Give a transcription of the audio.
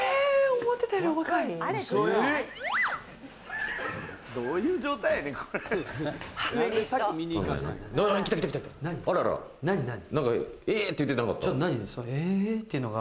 思ってたよりお若い。え？って言ってなかった？